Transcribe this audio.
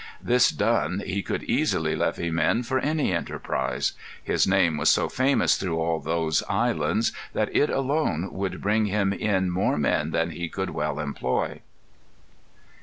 This done, he could easily levy men for any enterprise. His name was so famous through all those islands, that it alone would bring him in more men than he could well employ."